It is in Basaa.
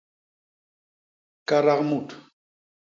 Kadak mut.